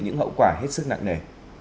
những hậu quả hết sức nặng nề